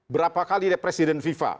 berapa kali presiden fifa